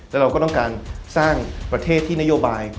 แล้วเราก็ต้องการสร้างประเทศที่นโยบาย